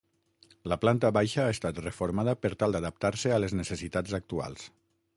La planta baixa ha estat reformada per tal d'adaptar-se a les necessitats actuals.